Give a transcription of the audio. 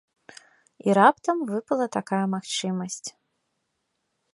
І раптам выпала такая магчымасць.